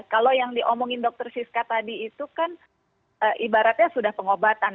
kalau yang diomongin dr siska tadi itu kan ibaratnya sudah pengobatan